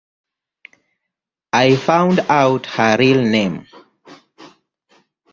I found out her real name.